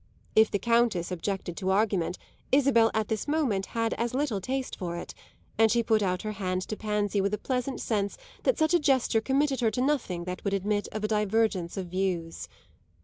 If the Countess objected to argument Isabel at this moment had as little taste for it, and she put out her hand to Pansy with a pleasant sense that such a gesture committed her to nothing that would admit of a divergence of views.